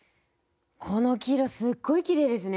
この黄色すっごいきれいですね。